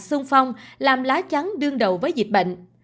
sung phong làm lá chắn đương đầu với dịch bệnh